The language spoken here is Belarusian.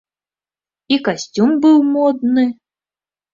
І касцюм быў модны.